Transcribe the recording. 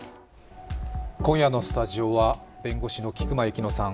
今夜のスタジオは弁護士の菊間千乃さん